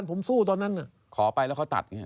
เรื่องงบนี้เหรอ